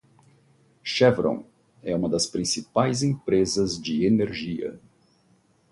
Chevron é uma das principais empresas de energia.